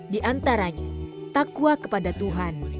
diantaranya takwa kepada tuhan